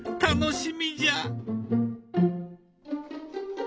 楽しみじゃ！